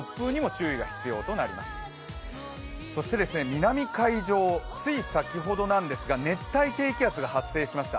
南海上、つい先ほどなんですが熱帯低気圧が発生しました。